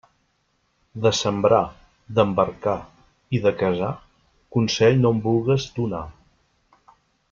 De sembrar, d'embarcar i de casar, consell no en vulgues donar.